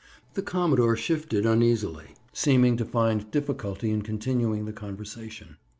The commodore shifted uneasily, seeming to find difficulty in continuing the conversation.